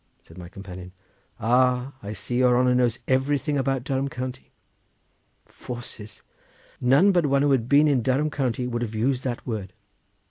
said my companion. "Ah, I see your honour knows everything about Durham county. Forces! none but one who had been in Durham county would have used that word.